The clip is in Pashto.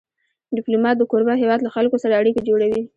ډيپلومات د کوربه هېواد له خلکو سره اړیکې جوړوي.